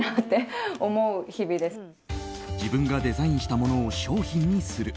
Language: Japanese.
自分がデザインしたものを商品にする。